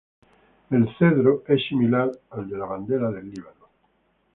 El Pino es similar a la de la Bandera del Líbano.